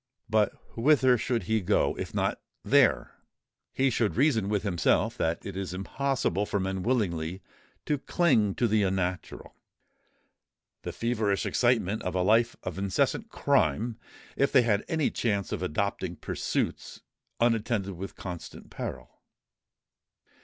But whither should he go, if not there? He should reason with himself that it is impossible for men willingly to cling to the unnatural—the feverish excitement of a life of incessant crime, if they had any chance of adopting pursuits unattended with constant peril.